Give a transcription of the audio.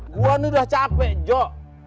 gue nih udah capek jok